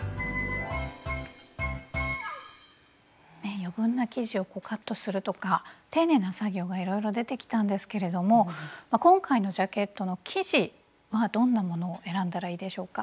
余分な生地をカットするとか丁寧な作業がいろいろ出てきたんですけれども今回のジャケットの生地はどんなものを選んだらいいでしょうか？